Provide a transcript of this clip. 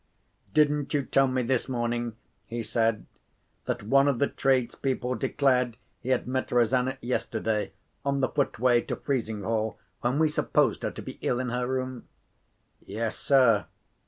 "Didn't you tell me this morning," he said, "that one of the tradespeople declared he had met Rosanna yesterday, on the footway to Frizinghall, when we supposed her to be ill in her room?" "Yes, sir."